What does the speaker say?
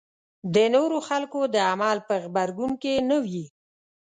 د نورو خلکو د عمل په غبرګون کې نه وي.